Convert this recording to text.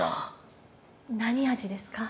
何味ですか？